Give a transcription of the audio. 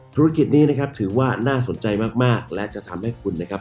ธุรกิจนี้นะครับถือว่าน่าสนใจมากมากและจะทำให้คุณนะครับ